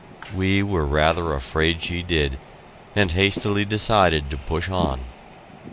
We were rather afraid she did, and hastily decided to push on.